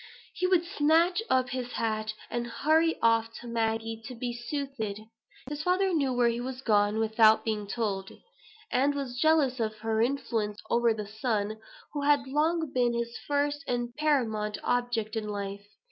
He would snatch up his hat, and hurry off to Maggie to be soothed. His father knew where he was gone without being told; and was jealous of her influence over the son who had long been his first and paramount object in life.